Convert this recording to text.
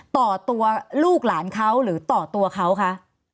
ต่อตัวลูกหลานเขาหรือต่อตัวเขาคะ